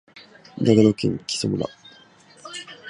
長野県木祖村